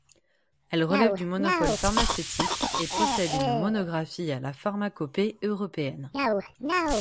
Elle relève du monopole pharmaceutique et possède une monographie à la Pharmacopée européenne.